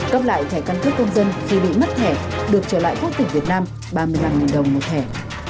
cấp lại thẻ căn cước công dân khi bị mất thẻ được trở lại quốc tịch việt nam ba mươi năm đồng một thẻ